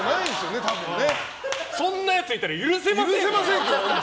そんなやついたら許せませんよね！